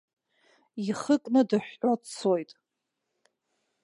Ихы кны, дыҳәҳәо дцоит.